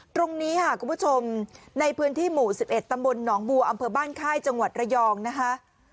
ตรงนี้ค่ะคุณผู้ชมในพื้นที่หมู่๑๑ตำบลหนองบัวอำเภอบ้านค่ายจังหวัดระยองนะคะ